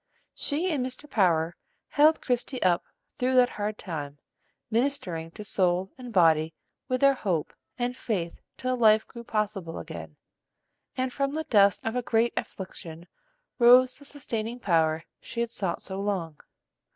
She and Mr. Power held Christie up through that hard time, ministering to soul and body with their hope and faith till life grew possible again, and from the dust of a great affliction rose the sustaining power she had sought so long.